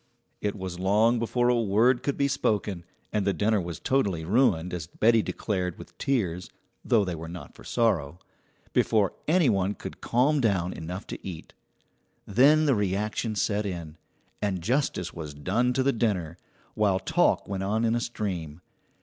It was long before a word could be spoken, and the dinner was totally ruined, as Betty declared with tears (though they were not for sorrow), before any one could calm down enough to eat. Then the reaction set in, and justice was done to the dinner, while talk went on in a stream.